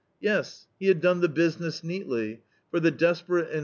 Yes, he had done the business neatly, for the desperate and much a^ ["7l D,i.